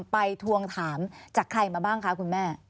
ทวงถามจากใครมาบ้างคะคุณแม่